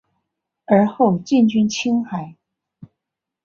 尔后进军青海。